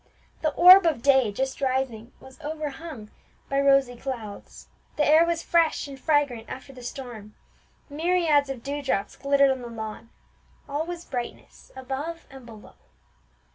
The orb of day, just rising, was overhung by rosy clouds; the air was fresh and fragrant after the storm; myriads of dew drops glittered on the lawn; all was brightness above and below!